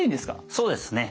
そうですね。